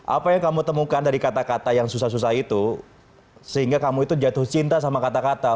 apa yang kamu temukan dari kata kata yang susah susah itu sehingga kamu itu jatuh cinta sama kata kata